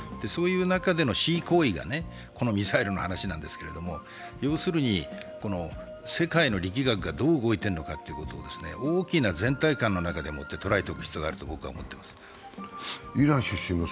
そういう中での示威行為がこのミサイルの話なんですけれども、要するに世界の力学がどう動いているのかということを大きな全体観の中でもって捉えておく必要があると思っています。